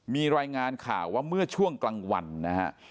มีรายงานข่าวว่าเมื่อช่วงกลางวันนะฮะ